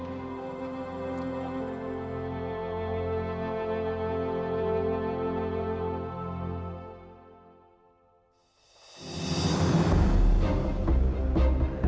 takutnya kamu bisa apare ah